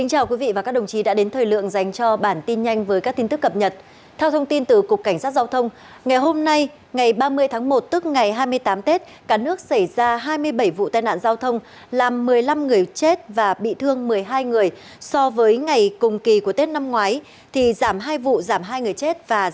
hãy đăng ký kênh để ủng hộ kênh của chúng mình nhé